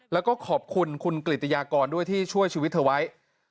แล้วก็ขอบคุณคุณกริตยากรด้วยที่ช่วยชีวิตเธอไว้